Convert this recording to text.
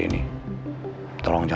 kapan sakit terus adults